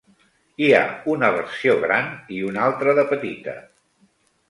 Hi ha una versió gran i una altra de petita.